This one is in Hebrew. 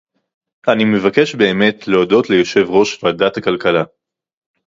אני מבקש באמת להודות ליושב-ראש ועדת הכלכלה